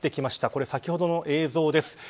これ、先ほどの映像です。